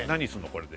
これで。